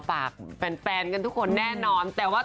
ก็ฝากแฟนกันทุกคนแน่นอน